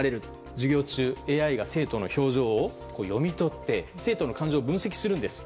授業中、ＡＩが生徒の表情を読み取って生徒の感情を分析するんです。